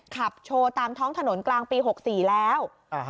ขับโชว์ตามท้องถนนกลางปี๖๔แล้ว